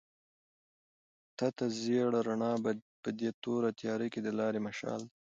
تته زېړه رڼا په دې توره تیاره کې د لارې مشال دی.